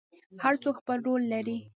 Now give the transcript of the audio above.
هر څوک خپل رول لري